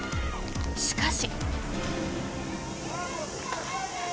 しかし。